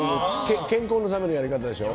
健康のためのやり方でしょ。